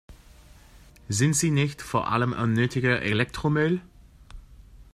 Sind sie nicht vor allem unnötiger Elektromüll?